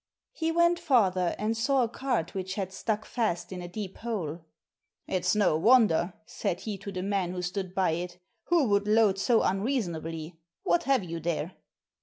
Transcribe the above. He went farther and saw a cart which had stuck fast in a deep hole. "It's no wonder," said he to the man who stood by it; "who would load so unreasonably? what have you there?"